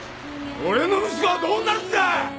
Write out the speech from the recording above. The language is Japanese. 俺の息子はどうなるんだ！